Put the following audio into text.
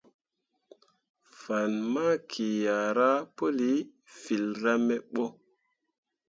Fan maki ah ra pəli filra me ɓo.